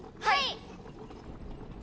はい！